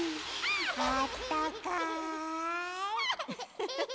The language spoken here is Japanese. あったかい。